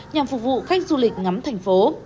nhằm phục vụ khách du lịch ngắm thành phố